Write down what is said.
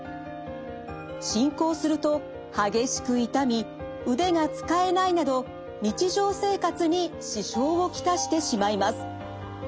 進行すると激しく痛み腕が使えないなど日常生活に支障を来してしまいます。